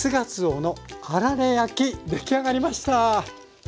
出来上がりました！